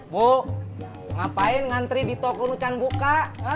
bu ngapain ngantri di toko rucan buka